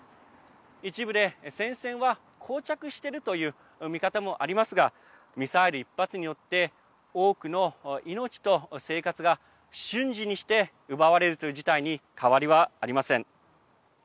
一部で戦線は、こう着しているという見方もありますがミサイル１発によって多くの命と生活が瞬時にして奪われるという事態に変わりはありません。